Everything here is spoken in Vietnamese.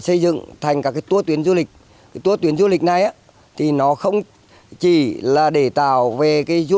xây dựng thành các tour tuyến du lịch tour tuyến du lịch này thì nó không chỉ là để tạo về cái du